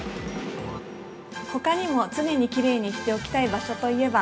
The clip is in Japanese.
◆ほかにも、常にきれいにしておきたい場所といえば。